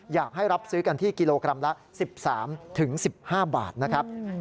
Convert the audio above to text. อยากให้รับซื้อกันที่กิโลกรัมละ๑๓๑๕บาทนะครับ